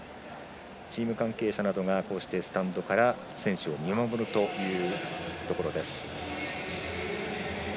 チーム関係者などがスタンドから選手を見守るというところです。